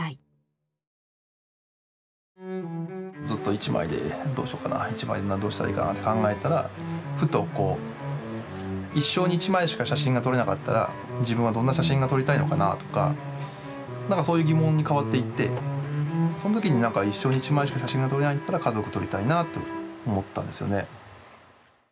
ずっと一枚でどうしようかな一枚でどうしたらいいかなって考えてたらふとこう一生に一枚しか写真が撮れなかったら自分はどんな写真が撮りたいのかなとかなんかそういう疑問に変わっていってその時になんか一生に一枚しか写真が撮れないんだったら家族撮りたいなって思ったんですよね。